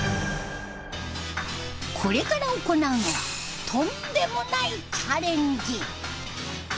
これから行うのはとんでもないチャレンジ！